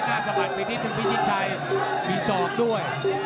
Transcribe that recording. เป็นที่ถึงพิชิชัยมีซอบด้วย